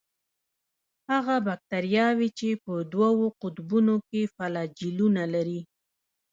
هغه باکتریاوې چې په دوو قطبونو کې فلاجیلونه ولري.